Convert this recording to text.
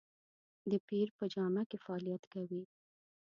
د پیر په جامه کې فعالیت کوي.